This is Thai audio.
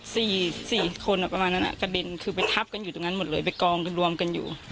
สี่สี่คนอ่ะประมาณนั้นอ่ะกระเด็นคือไปทับกันอยู่ตรงนั้นหมดเลยไปกองกันรวมกันอยู่